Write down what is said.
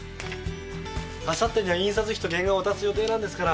あさってには印刷費と原画を渡す予定なんですから。